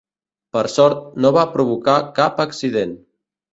Per sort, no va provocar cap accident.